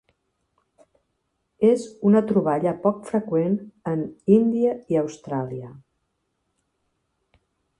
És una troballa poc freqüent en Índia i Austràlia.